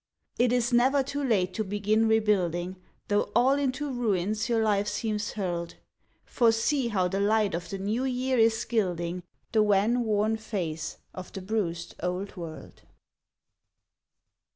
It is never too late to begin rebuilding, Though all into ruins your life seems hurled, For see how the light of the New Year is gilding The wan, worn face of the bruised old world.